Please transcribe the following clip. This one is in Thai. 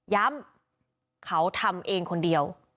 ย้ำเขาทำเองคนเดียว